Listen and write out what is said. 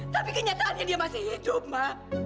tapi kenyataannya dia masih hidup mbak